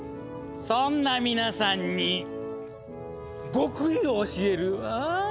そんな皆さんに極意を教えるわ。